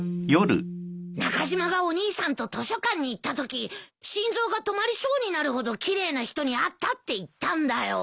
中島がお兄さんと図書館に行ったとき心臓が止まりそうになるほど奇麗な人に会ったって言ったんだよ。